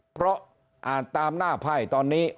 เพราะอ่านตามหน้าไพ่ตอนนี้